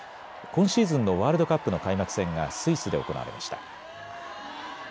今シーズンのワールドカップの開幕戦がスイスで行われました。